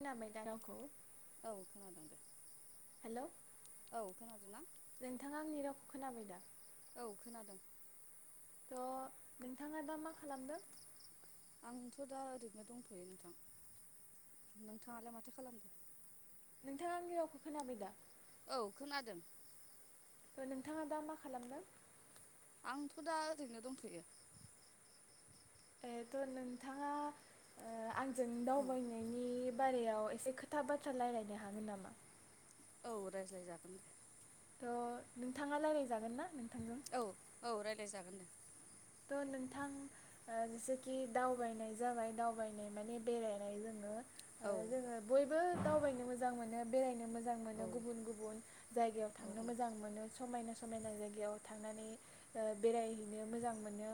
खोनाबाय दा रावखौ औ खोनादों दे हेलौ औ खोनादों ना? नोंथाङा आंनि रावखौ खोनाबाय दा। औ खोनादों। थ' नोंथाङा दा मा खालामदों? आंथ' दा ओरैनो दंथ'यो नोंथां नोंथाङालाय माथो खालामदो? नोंथाङा आंनि रावखौ खोनाबाय दा? औ खोनादों। नोंथाङा दा मा खालामदों? आंथ' दा ओरैनो दंथ'यो। एथ' नोंथाङा आं जों औ दावबायनायनि बारायाव एसे खोथा बाथ्रा रायज्लायनो हागोन नामा औ रायज्लायजागोन दे थ' नोंथाङा रायज्लायजागोन ना नों औ औ रा दे जागोन दे थ' नोंथां ओ जेसेखि दावबायनाय जाबाय दावबायनाय माने बेरायनाय जोङो ओ औ जोङो बयबो बो दावबायनो मोजां मोनो बेरायनो मोजां मोजां औ मोनो गुबुन गुबुन जायगायाव थांनो औ मोजां मोनो समायना समायना जायगायाव थांनानै बेरायहैनो मोजां मोनो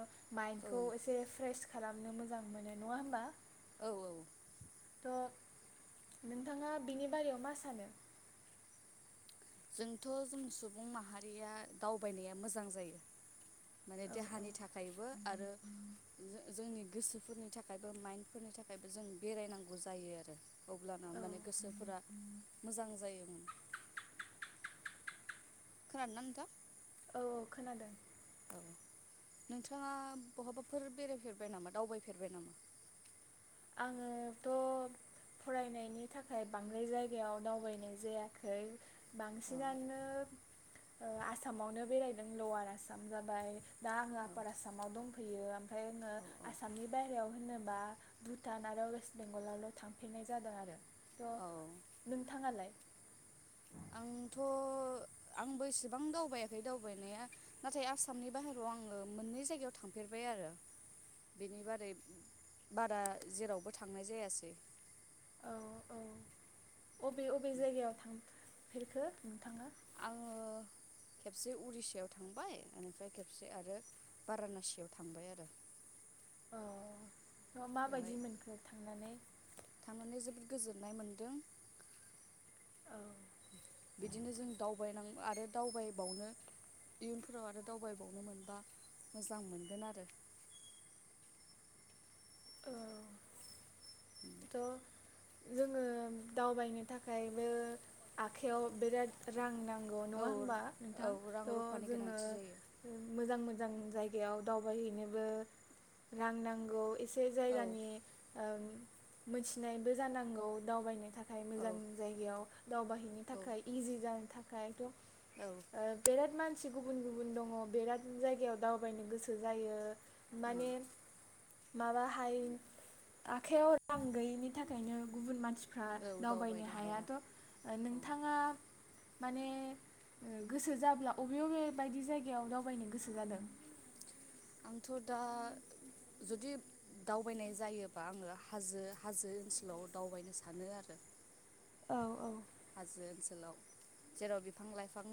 औ माइन्दखौ एसे फ्रेस खालामनो मोजां मोनो नङा होमबा औ औ नोंथाङा बिनि बारायाव मा सानो जोंथ' जों सुबुं माहारिया दावबायनाया मोजां जायो माने औ औ देहानि थाखायबो आरो आरो जोंनि गोसोफोरनि थाखायबो माइन्दफोरनि थाखायबो जों बेरायनांगौ जायो आरो अब्लाना औ माने गोसोफोरा मोजां जायोमोन खोनादोंना नोंथां औ औ खोनादों औ नोंथाङा बहाबाफोर बेरायफेरबाय नामा दावबायफेरबाय नामा आङोथ' फरायनायनि थाखाय बांद्राय जायगायाव दावबायनाय जायाखै औ बांसिनानो आसामावनो बेरायदों लवार आसाम जाबाय दा आङो आफार आसामाव दंफैयो ओमफ्राय आङो औ औ आसामनि बायहेरायाव होनोबा भुटान आरो वेस्ट बेंगलावल' थांफेरनाय जादों आरो औ थ' नोंथाङालाय आंथ' आंबो इसेबां दावबायाखै दावबायनाया नाथाय आसामनि बाहेरायाव आङो मोननै जायगायाव थांफेरबाय आरो बेनि बारै बारा जेरावबो थांनाय जायासै औ औ अबे अबे जायगायाव थां फेरखो नोंथाङा आङो खेबसे उरिसायाव थांबाय बेनिफ्राय खेबसे आरो बारानासियाव थांबाय आरो औ बेवहाय माबायदि मोनखो थांनानै थांनानै जोबोद गोजोननाय मोनदों। औ बिदिनो जों दावबायनां आरो दावबायबावनो इयुनफोराव आरो दावबायबावनो मोनबा मोजां मोनगोन आरो औ त जोङो दावबायनो थाखायबो आखाइयाव बिराद रां नां गौ औ नङा होनबा औ नोंथां रां थ रुफानि जोंङो गोनांथि जायो मोजां मोजां जायग याव दावबायहैनोब रां नांगौ इस बै औ जायगानि ओम मोनथिनायबो जानांगौ दावबायनो थाख खाय औ मोजां जायगायाव दावबायहैनो औ थाखाय इजि जानो थाख औ [unintelligible] ओ बिराद मान से गुबुन गुबुन दङ बिराद जायगायाव दावबायनो गोसो जायो। उम माने माबाहाय आखायाव रां गैयिनि थाखायनो गुबुन मान मानसिफ्रा औ दावबायनो हाया हायाथ' ओ औ नोंथाङा माने गोसो जाब्ला अबबे अबबे बायदि जायगायाव दावबायनो गोसो जादों। आंथ' दा जुदि दावबायनाय जायोबा आङो हाजो हाजो ओनसोलाव दावबायनो सानो आरो औ औ हाजो ओनसोलाव जेराव बिफां लाइफां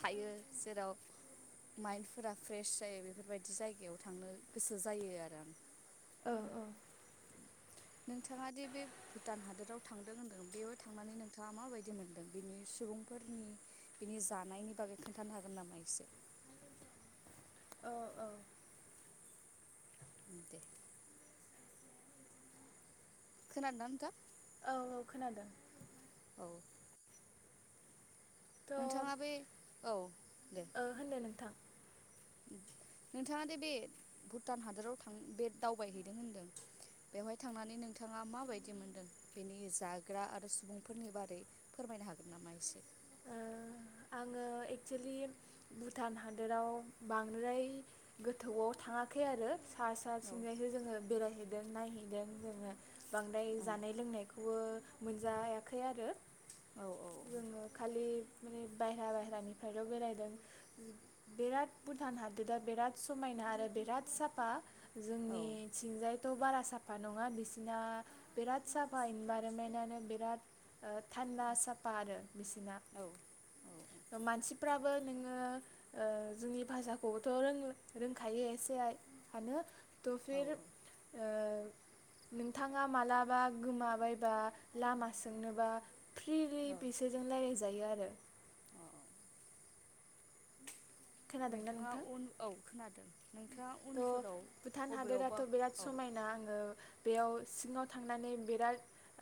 थायो जेराव मायेन्दफोरा फ्रेस जायो बेफोरबायदि जायगायाव थांनो गोसो जायो आरो आं औ औ नोंथाङा दि बे भुटान हादोराव थांदों होनदों बेयाव थांनानै नोंथाङा माबायदि मोनदों बिनि सुबुंफोरनि बिनि जानायनि बागै खोन्थानो हागोन नामा एसे? औ औ दे खोनादों ना नोंथां? औ औ खोनादों। औ थ' नोंथाङा बे औ दे ओ होनदो नोंथां नोंथाङा दे बे भुटान हादराव थां बे दावबायहैदों होनदों बेवहाय थांनानै नोंथाङा माबायदि मोनदों बेनि जाग्रा आरो सुबुंफोरनि बारै फोरमायनो हागोन नामा एसे? ओ आङो एक्सुलि भुटान हादोराव बांद्राय गोथौआव थाङाखै आरो सा सा औ सिंजायहै जोङो बेरायहैद जों नायहैदों जोङो। बांद्राय औ जानाय लोंनायखौबो मोनजायाखै आरो औ जोङो खालि माने बायहेरा बायहेरानिफ्रायल' बेरायदों बेराद भुटान हादोरा बिराद समायना आरो बिराद साफा। औ जोंनिथिंजायथ' बारा साफा नङा। बिसिना बिराद साफा इनभाइरनमेन्टनो बिराद थान्दा साफा आरो। बिसिना मानसिफ्राबो नोङो ओ जोंनि भाषाखौबोथ' रों-रोंखायो एसे आनो त औ फिर ओ नोंथांङा मालाबा गोमाबायबा लामा सोंनोबा फ्रिलि औ बिसोरजों [unintelligible] जायो आरो। औ खोनादोंना नोंथाङा नोंथां उन औ खोनादों नोंथाङा थ उनफोराव भुटान बबेयावबा हादोराथ बिराद औ समायना आंङो बेयाव सिङाव थांनानै बिराद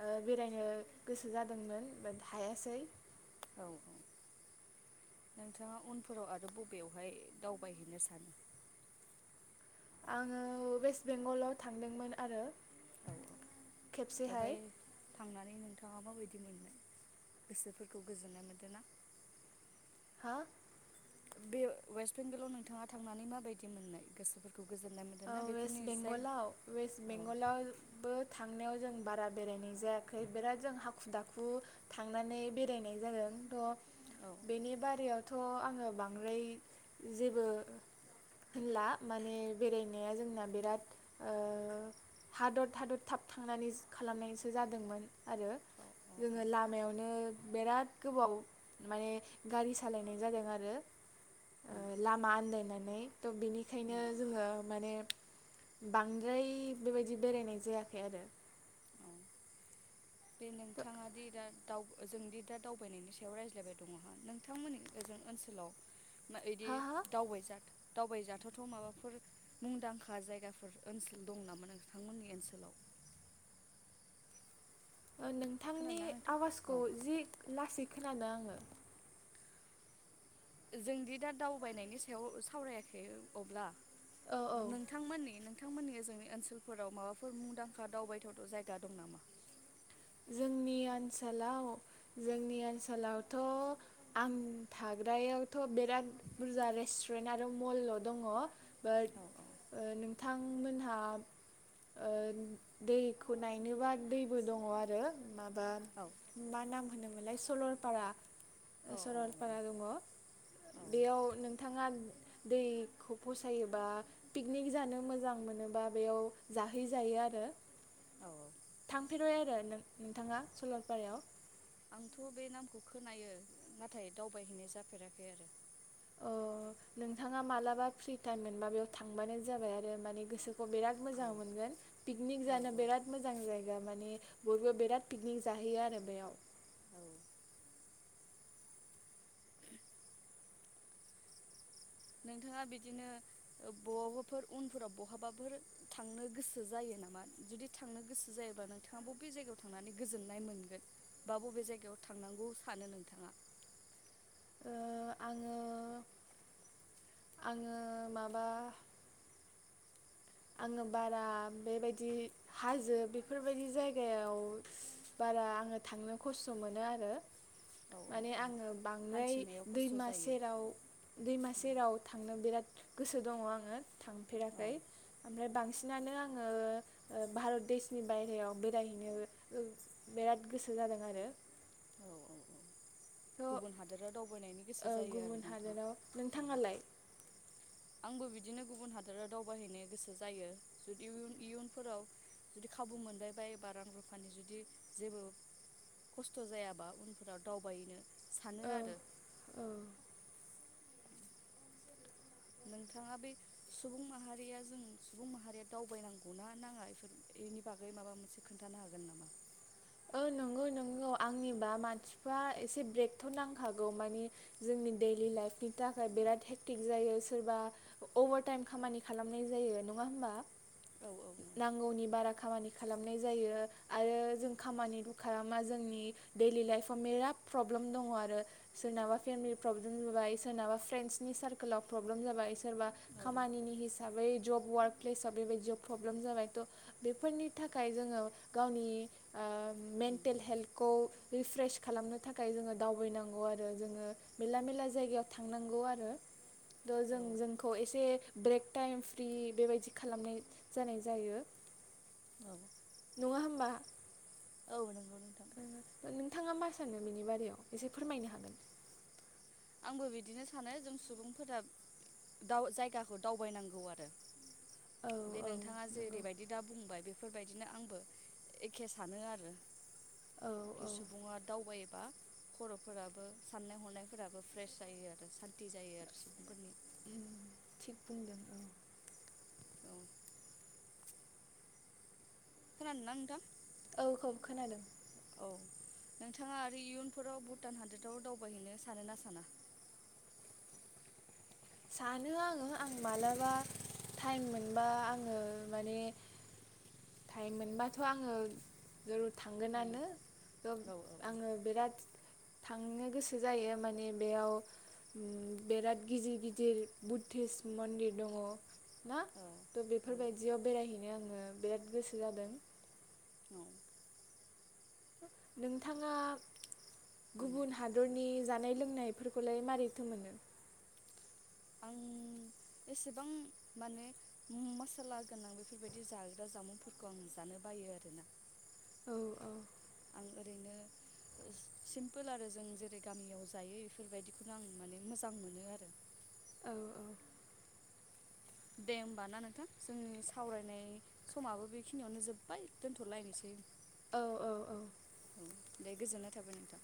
ओ बेरायनो गोसो जादोंमोन बात हायासै। औ औ नोंथांङा उनफोराव आरो बबेयावहाय दावबायहैनो सानो? आंङो वेस्ट बेंगलाव थांदोंमोन आरो। औ खेबसेहाय बेवहाय थांनानै नोंथांङा माबायदि मोननाय गोसोफोरखौ गोजोननाय मोनदों ना? हा? बे वेस्ट बेंगलाव नोंथांङा थांनानै माबायदि मोननाय गोसोफोरखौ? गोजोननाय मोनदों ओ ना बेफोरनि वेस्त जाय बेंगलाव वेस्त औ बेंगलावबो थांनायाव जों बारा बेरायनाय जायाखै बिराद जों हाखु दाखु थांनानै बेरायनाय जादों औ थ बेनि बारयावथ थ आंङो बांद्राय जेबो होनला माने बेरायनाया जोंना बिराद ओ थाद' थाद' थाब थांनानै खालामनायसो जादोंमोन आरो औ औ औ जोङो लामायावनो बिराद गोबाव माने गारि सालायनाय जादों आरो। उम लामा आन्दायनानै नै थ उम बिनिखायनो माने बांद्राय बेबायदि बेरायनाय जायाखै आरो। औ बे थ' नोंथांङा दि दा दाव जोंदि दा दावबायनायनि सायाव रायज्लायबाय दङहा नोंथांमोननि ओ जों ओनसोलाव ना बिदि हा हा दावबायजाथ दावबायजाथावथाव माबाफोर मुंदांखा जायगाफोर ओनसोल दं नामा नोंथांमोननि ओनसोलाव? नोंथांनि खोनादोंना नोंथां आवाजखौ औ जि लासै खोनादो आंङो। जोंदि दा दावबायनायनि सायाव सावरायाखै अब्ला। औ औ नोंथांमोननि नोंथांमोननि ओजों ओनसोलफोराव माबाफोर मुंदांखा दावबायथावथाव जायगा दं नामा? जोंनि ओनसोलाव जोंनि ओनसोलावथ' आं थाग्रायाव थ' बिराद बुरजा रेस [unintelligible] आरो मल दङ। बाट औ ओ नोंथां बिथांमोनहा ओ दैखौ नायनोबा दैबो दङ आरो आरो माबा औ मा नाम होनोमोनलाय सरलपारा, औ सरलपारा दङ औ बेयाव नोंथाङा दैखौ फसायोबा पिकनिक जानो मोजां मोनोबा बेयाव जाहैजायो आरो औ [unintelligible] आरोनो नोंथाङा सललपारायाव। आंथ' बे नामखौ खोनायो नाथाय दावबायहैनाय जाफेराखै आरो। अ नोंथाङा मालाबा फ्रि टाइम मोनबा बेयाव थांबानो जाबाय आरो माने गोसो खौ बिराट मोजां औ मोनगोन, पिकनिक औ जानो बिराथ मोजां जायो। माने बयबो बिराद पिकनिक जाहैयो आरो बेयाव। औ नोंथाङा बिदिनो बहाबाफोर उनफोराव बहाबाफोर थांनो गोसो जायो नामा? जुदि थांनो गोसो जायोबब्ला नोंथाङा बबे जायगायाव थांनानै गोजोननाय मोनगोन बा बबे जायगायाव थांनांगौ सानो नोंथाङा? ओ आङो [inaudible] आङो [inaudible] माबा आङो बारा बेबायदि हाजो बेफोरबायदि जायगायाव बारा आङो थांनो खस्थ' मोनो आरो। औ औ माने औ आङो बांद्राय हान्थिनायाव खस्थ' दैमा जायो सेराव दैमा सेराव थांनो बिराद गोसो दङ आङो। औ थांफेराखै। ओमफ्राय बांसिनानो आङो भारत देशनि बायेरायाव बेरायहैनो बिराद गोसो जादों आरो। औ औ औ थ' [inaudible] ओ गुबुन हादोराव दावबायनायनि गोसो जायो आरो गुबुन नोंथाङा हादोराव औ। नोंथाङालाय आंबो बिदिनो गुबुन हादोराव दावबायहैनो गोसो जायो जुदि इयुनफोराव जुदि खाबु मोनबाय बायोबा रां रुफानि जुदि जेबो खस खस्थ' जायाबा उनफोराव दावबायैनो औ [inaudible] औ। नोंथाङा बे सुबुं माहारिया जों सुबुं माहारिया दावबायनांगौना नाङा बेफोर बेनि बागै माबा मोनसे खोन्थानो हागोन नामा? ओ नोंगौ नोंगौ आंनिबा मानसिफ्रा एसे ब्रेकथ' नांखागौ मानि जोंनि दैडलि लाइफनि थाखाय बिराद हेक्टिक जायो सोरबा अभारटाइम खामानि खालामनाय जायो नङा होमबा? औ औ नांगौनि बारा खामानि खालामनाय जायो आरो जों खामानिबो खालामा जोंनि दैयलि लाइफआव बिराद प्रब्लेम दङ आरो सोरनाबा फेमिलि प्रब्लेम जाबाय सोरनाबा फ्रेन्डसनि सारकोलाव प्रब्लेम जाबाय सोरबा खामानिनि हिस साबै जब वार्क प्लेसाव बेबायदि प्रब्लेम जाबाय थ' बेफोरनि थाखाय जोङो गावनि उम मेन्टेल हेल्थखौ रिफ्रेस खालामनो थाखाय जोङो दावबायनांगौ आरो जोङो मेरला मेरला जायगायाव थांनांगौ आरो। द औ जों जोंखौ एसे ब्रेक टाइम फ्रि बेबायदि खालामनाय जानाय जायो। औ [inaudible] नङा होमबा औ नंगौ। नोंथां [unintelligible] आंबो बिदिनो सानो जों सुबुंफोरा जायगाखौ दावबायनांगौ आरो। औ बे औ नोंथाङा नंगौ जेरैबायदि दा बुंबाय बे बेफोरबायदिनो आंबो एखे सानो आरो। औ खि औ सुबुङा दावबायो बा खर'फोराबो साननाय हनाय फोराबो फ्रेस जायो आरो सान्ति जायो आरो सुबुंफोरनि उम थिग बुंदों औ औ खोनादोंना नोंथां [inaudible] औ नोंथाङा आरो इयुनफोराव भुटान हादोदाव दावबायहैनो सानो ना साना सानो आङो आं मालाबा टाइम मोनबा आङो माने टाइम मोनबाथ' आङो ज थांगोनानो थ औ आङो बिराद थांनो गोसो जायो माने बेयाव बेराद गिदिर गिद दि बुद्धिस मन्दिर दङ। औ [inaudible] बेफोरबायदियाव बेरायहैनो आङो बिराद गोसो जादों। औ नोंथाङा गुबुन हादरनि जानाय लोंनायफोरखौलाय मारैथो मोनो आं एसेबां माने मसाला गोनां बेफोरबायदि जाग्रा जामुंफोरखौ आं जानो बायो आरोना औ औ आं ओरैनो सिम्पोल आरो जों जेरै गामियाव जायो बेफोरबायदिखौनो आं माने मोजां मोनो आरो औ औ दे होमबा ना नोंथां जोंनि सावरायनाय समाबो बेखिनियावनो जोब्बाय दोनथ'लायनोसै। औ औ औ नै गोजोननाय थाबाय नोंथां।